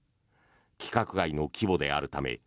規格外の規模であるため